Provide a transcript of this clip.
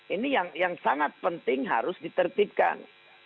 ini yang sangat penting harus ditertibkan